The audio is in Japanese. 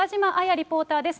リポーターです。